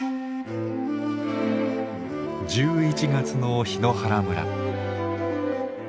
１１月の檜原村。